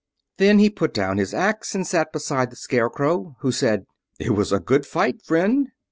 Then he put down his axe and sat beside the Scarecrow, who said, "It was a good fight, friend."